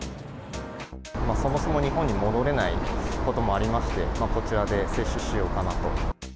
そもそも日本に戻れないこともありまして、こちらで接種しようかなと。